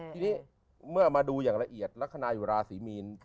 ทีนี้เมื่อมาดูอย่างละเอียดลักษณะอยู่ราศีมีน